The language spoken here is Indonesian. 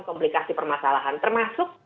komplikasi permasalahan termasuk